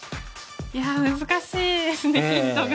いや難しいですねヒントが。